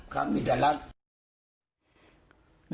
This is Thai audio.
ครับมีแต่ลักษณ์